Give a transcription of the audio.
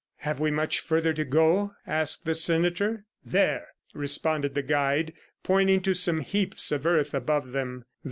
"Have we much further to go?" asked the senator. "There!" responded the guide pointing to some heaps of earth above them.